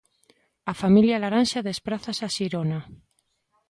A familia laranxa desprázase a Xirona.